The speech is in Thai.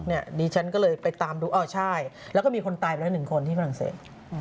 เดี๋ยวฉันก็เลยไปตามดูอ้อใช่แล้วก็มีคนตายไปละ๑คนที่ฝรั่งเศส